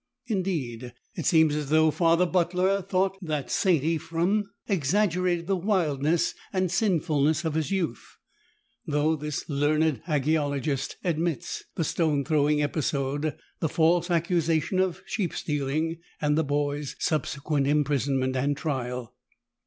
Indeed it seems as though Father Butler thought that St. Ephrem exaggerated the wildness and sin fulness of his youth ; though this learned hagiologist admits the stone throwing episode, the false accusation of sheep stealing, and the boy's subsequent imprisonment and trial.